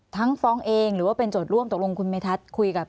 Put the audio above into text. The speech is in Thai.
ฟ้องเองหรือว่าเป็นโจทย์ร่วมตกลงคุณเมทัศน์คุยกับ